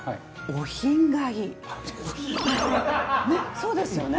そうですよね。